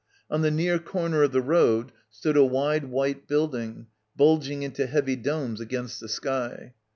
On the near corner of the road stood a wide white building, bulging into heavy domes against the sky.